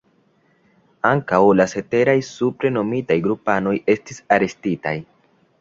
Ankaŭ la ceteraj supre nomitaj grupanoj estis arestitaj.